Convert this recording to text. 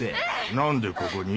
何でここに？